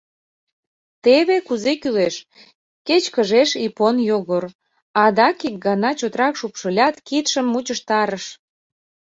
— Теве кузе кӱлеш!... — кечкыжеш Ипон Йогор, адак ик гана чотрак шупшылят, кидшым мучыштарыш.